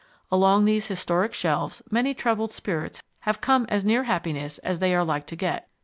Along these historic shelves many troubled spirits have come as near happiness as they are like to get